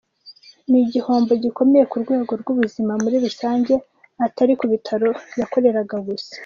Ni igihombo gikomeye ku rwego rw’ubuzima muri rusange, atari ku bitaro yakoreraga gusa.”